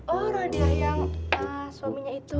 oh rodia yang suaminya itu